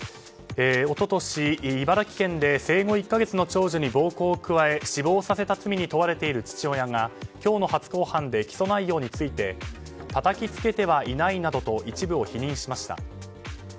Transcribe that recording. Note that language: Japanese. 一昨年、茨城県で生後１か月の長女に暴行を加え、死亡させた罪に問われている父親が今日の初公判で起訴内容についてたたきつけてはいないなどと一部を否認しました。